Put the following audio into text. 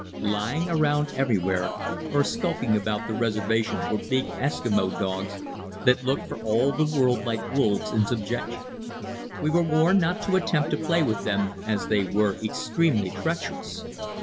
Lying around everywhere, or skulking about the reservation, were big Eskimo dogs that looked for all the world like wolves in subjection. We were warned not to attempt to play with them, as they were extremely treacherous.